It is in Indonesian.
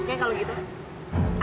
oke kalau gitu